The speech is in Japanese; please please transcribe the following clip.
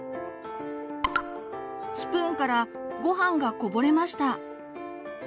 スプーンからごはんがこぼれました。